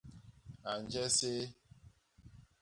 A nje séé.